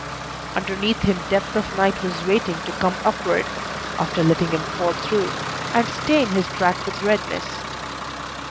Underneath him depth of night was waiting to come upward (after letting him fall through) and stain his track with redness.